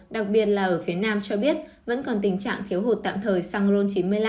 đặc biệt là ở phía nam cho biết vẫn còn tình trạng thiếu hụt tạm thời xăng ron chín mươi năm